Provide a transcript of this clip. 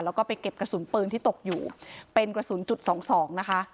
แล้วก็ไปเก็บกระสุนปืนที่ตกอยู่เป็นกระสุนจุดสองสองนะคะ